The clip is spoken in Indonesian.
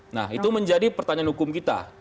nah itu menjadi pertanyaan hukum kita